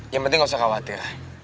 yang penting gak usah khawatir